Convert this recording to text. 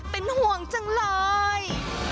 เป็นห่วงจังเลย